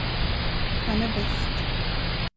Han är bäst.